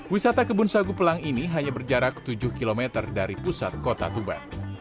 wisata kebun sagu pelang ini hanya berjarak tujuh km dari pusat kota tuban